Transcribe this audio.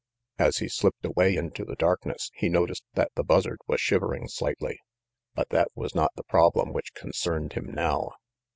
As he slipped away into the darkness, he noticed that the Buzzard was shivering slightly; but that was not the problem which concerned him now.